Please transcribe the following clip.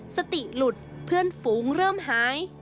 สติหลุดเพื่อนฝูงเริ่มหาย